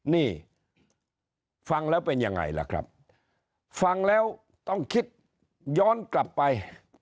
นี่ฟังแล้วเป็นยังไงล่ะครับฟังแล้วต้องคิดย้อนกลับไป